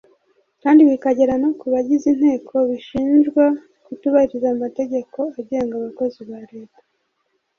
kandi bikagera no ku bagize inteko bishinjwa kutubahiriza amategeko agenga abakozi ba Leta